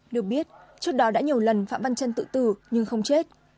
được biết trước đó đã nhiều lần phạm văn trân tự tử nhưng không chết